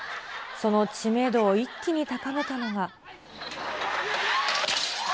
その知名度を一気に高めたのが。